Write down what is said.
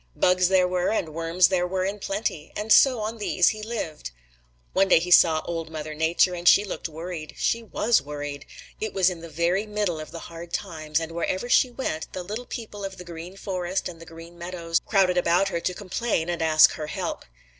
Bugs there were and worms there were in plenty, and on these he lived. One day he saw Old Mother Nature, and she looked worried. She was worried. It was in the very middle of the hard times and wherever she went, the little people of the Green Forest and the Green Meadows crowded about her to complain and ask her help.